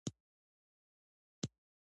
مس د افغان کورنیو د دودونو مهم عنصر دی.